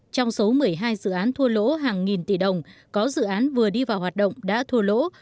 trong số một mươi hai dự án thua lỗ hàng nghìn tỷ đồng có dự án vừa đi vào hoạt động đã thua lỗ